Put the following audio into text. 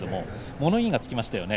物言いがつきましたよね